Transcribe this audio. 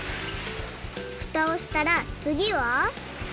ふたをしたらつぎは？